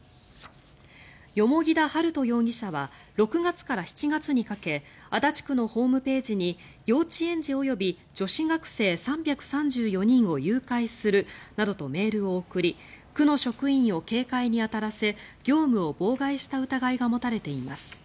蓬田治都容疑者は６月から７月にかけ足立区のホームページに幼稚園児及び女子学生３３４人を誘拐するなどとメールを送り区の職員を警戒に当たらせ業務を妨害した疑いが持たれています。